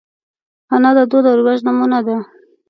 انا د دود او رواج نمونه ده